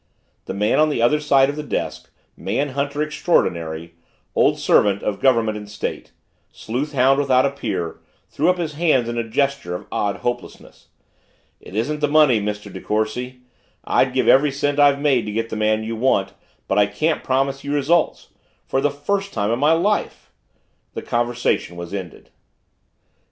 The man on the other side of the desk, man hunter extraordinary, old servant of Government and State, sleuthhound without a peer, threw up his hands in a gesture of odd hopelessness. "It isn't the money, Mr. De Courcy I'd give every cent I've made to get the man you want but I can't promise you results for the first time in my life." The conversation was ended.